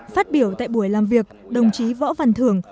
phát biểu tại buổi làm việc đồng chí võ văn thưởng